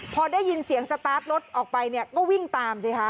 พอได้ยินเสียงสตาร์ทรถออกไปก็วิ่งตามใช่ไหมคะ